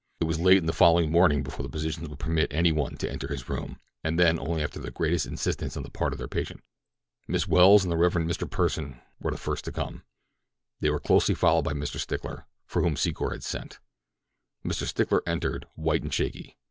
It was late the following morning before the physicians would permit any one to enter his room, and then only after the greatest insistence on the part of their patient. Miss Welles and the Rev. Mr. Pursen were the first to come. They were closely followed by Mr. Stickler, for whom Secor had sent. Mr. Stickler entered, white and shaky.